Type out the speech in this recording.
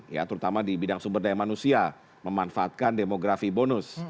ya terutama di bidang sumber daya manusia memanfaatkan demografi bonus